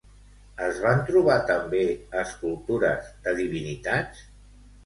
Es van trobar també escultures de divinitats?